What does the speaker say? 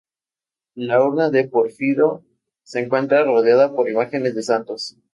La urna de pórfido se encuentra rodeada por imágenes de santos.